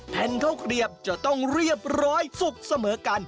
ข้าวเกลียบจะต้องเรียบร้อยสุกเสมอกัน